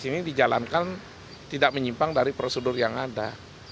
ini dijalankan tidak menyimpang dari prosedur yang ada